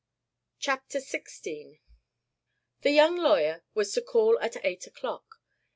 CHAPTER XVI The young lawyer was to call at eight o'clock.